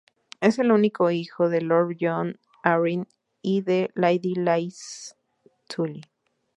Es el único hijo de Lord Jon Arryn y de Lady Lysa Tully.